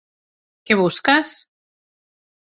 Què busques?